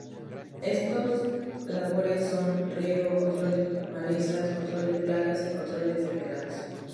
Estas labores son: riego, control de malezas, control de plagas y control de enfermedades.